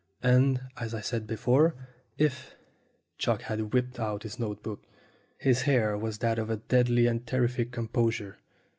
And, as I said before, if " Chalk had whipped out his note book. His air was that of deadly and terrific composure.